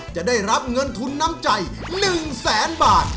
จะได้รับเงินทุนน้ำใจ๑แสนบาท